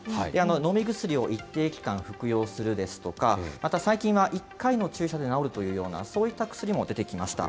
飲み薬を一定期間服用するですとか、また最近は１回の注射で治るというような、そういった薬も出てきました。